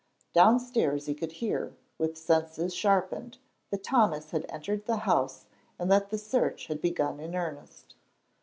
Downstairs he could hear, with senses sharpened, that Thomas had entered the house and that the search had begun in earnest.